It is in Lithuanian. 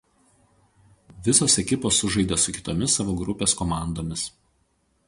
Visos ekipos sužaidė su kitomis savo grupės komandomis.